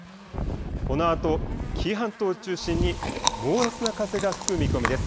このあと紀伊半島を中心に猛烈な風が吹く見込みです。